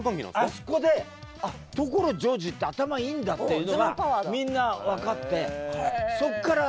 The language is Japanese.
あそこで所ジョージって頭いいんだっていうのがみんなわかって。